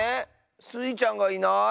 スイちゃんがいない。